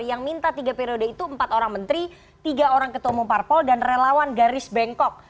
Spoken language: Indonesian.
yang minta tiga periode itu empat orang menteri tiga orang ketua umum parpol dan relawan garis bengkok